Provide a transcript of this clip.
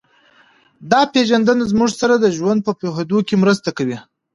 دا پېژندنه موږ سره د ژوند په پوهېدو کې مرسته کوي